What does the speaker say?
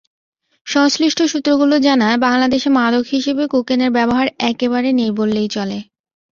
সংশ্লিষ্ট সূত্রগুলো জানায়, বাংলাদেশে মাদক হিসেবে কোকেনের ব্যবহার একেবারে নেই বললেই চলে।